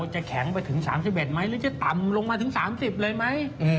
จะแข็งไปตามลงมาถึง๓๐เลยไหม